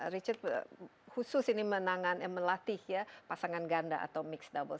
richard khusus ini menangani melatih ya pasangan ganda atau mix double